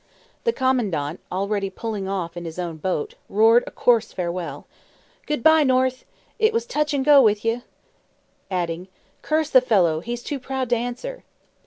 The Commandant, already pulling off in his own boat, roared a coarse farewell. "Good bye, North! It was touch and go with ye!" adding, "Curse the fellow, he's too proud to answer!"